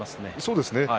そうですね。